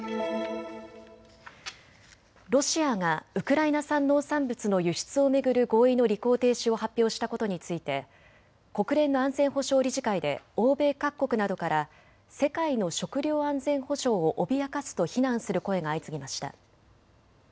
ロシアがウクライナ産農産物の輸出を巡る合意の履行停止を発表したことについて国連の安全保障理事会で欧米各国などから世界の食料安全保障を脅かすと非難する声が相次ぎました。